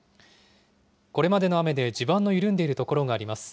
これまでの雨で地盤の緩んでいる所があります。